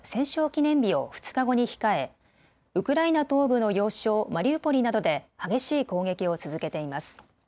記念日を２日後に控えウクライナ東部の要衝マリウポリなどで激しい攻撃を続けています。